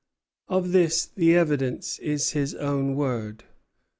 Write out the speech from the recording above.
Of this the evidence is his own word.